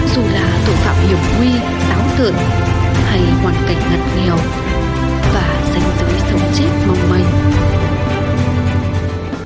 và rảnh rơi sống chết mong manh